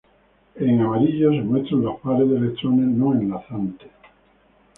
En amarillo se muestran los pares de electrones no enlazantes.